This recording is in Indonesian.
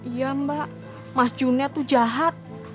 iya mbak mas junnya tuh jahat